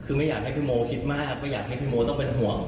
คือไม่อยากให้พี่โมคิดมากไม่อยากให้พี่โมต้องเป็นห่วง